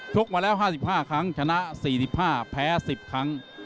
กมาแล้ว๕๕ครั้งชนะ๔๕แพ้๑๐ครั้ง